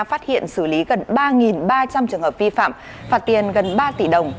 phát hiện xử lý gần ba ba trăm linh trường hợp vi phạm phạt tiền gần ba tỷ đồng